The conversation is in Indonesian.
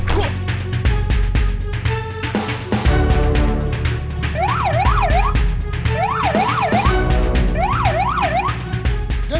bukan sama gue